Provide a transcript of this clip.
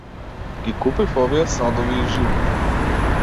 Ги купив овие садови и животни.